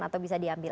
atau bisa diambil